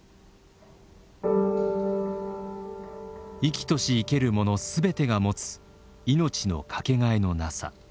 生きとし生けるもの全てが持つ命のかけがえのなさ。